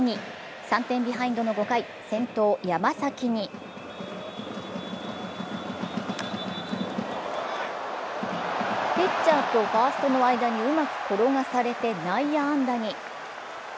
３点ビハインドの５回、先頭の山崎にピッチャーとファーストの間にうまく転がされて内野安打に。